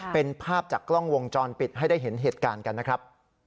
เป็นภาพจากกล้องวงจรปิดให้ได้เห็นเหตุการณ์กันนะครับ